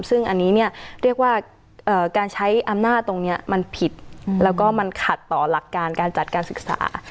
ซึ่งอันนี้เนี่ยเรียกว่าการใช้อำนาจตรงนี้มันผิดแล้วก็มันขัดต่อหลักการการจัดการศึกษา